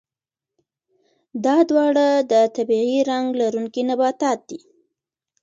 دا دواړه د طبیعي رنګ لرونکي نباتات دي.